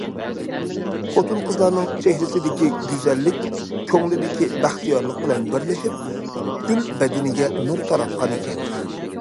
خوتۇن- قىزلارنىڭ چېھرىسىدىكى گۈزەللىك كۆڭلىدىكى بەختىيارلىق بىلەن بىرلىشىپ پۈتكۈل بەدىنىگە نۇر تاراتقان ئىكەن.